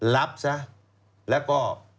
รับซะแล้วก็